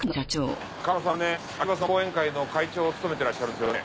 川野さんは長年秋葉さんの後援会の会長を務めてらっしゃるんですよね？